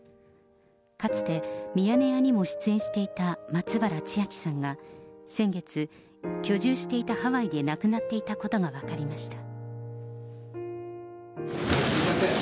かつて、ミヤネ屋にも出演していた松原千明さんが、先月、居住していたハワイで亡くなっていたことが分かりました。